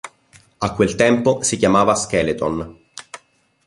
A quel tempo, si chiamava Skeleton.